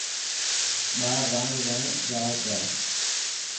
ٻار راند رهڻ جائي پيا.